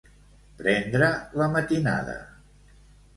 Prendre la matinada.